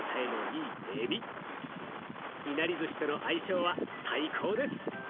いなりずしとの相性は最高です。